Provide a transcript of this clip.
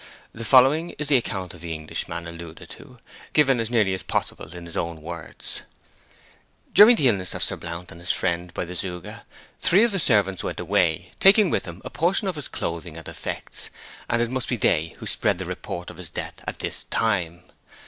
The following is the account of the Englishman alluded to, given as nearly as possible in his own words: During the illness of Sir Blount and his friend by the Zouga, three of the servants went away, taking with them a portion of his clothing and effects; and it must be they who spread the report of his death at this time.